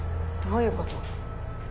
どういうこと？